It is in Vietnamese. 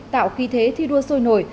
tạo kỳ thế thi đua sôi nổi